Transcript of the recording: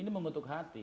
ini mengetuk hati